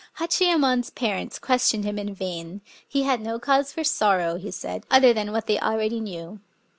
Hachiyemon's parents questioned him in vain; — he had no cause for sorrow, he said, other than what they already knew.